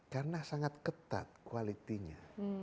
karena sangat ketat kualitinya